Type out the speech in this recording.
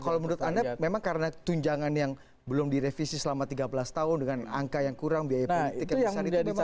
kalau menurut anda memang karena tunjangan yang belum direvisi selama tiga belas tahun dengan angka yang kurang biaya politik yang besar itu